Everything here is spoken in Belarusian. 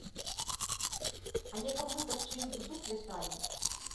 Але каб мы пад чыю дуду плясалі?